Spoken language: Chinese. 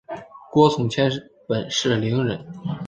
郭从谦本是伶人。